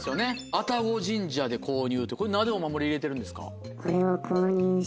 愛宕神社で購入ってこれなぜお守り入れてるんですか？